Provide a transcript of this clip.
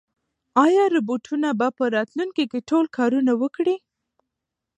ایا روبوټونه به په راتلونکي کې ټول کارونه وکړي؟